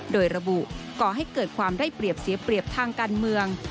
โดยระบุก่อให้เกิดความได้เปรียบเสียเปรียบทางการเมือง